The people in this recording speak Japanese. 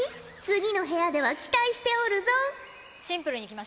次の部屋では期待しておるぞ！